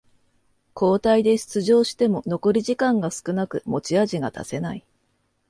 交代で出場しても残り時間が少なく持ち味が出せない